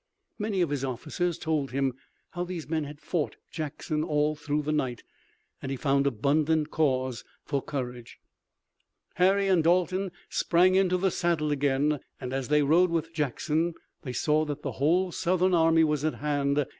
Many of his officers told him how these men had fought Jackson all through the night, and he found abundant cause for courage. Harry and Dalton sprang into the saddle again, and, as they rode with Jackson, they saw that the whole Southern army was at hand.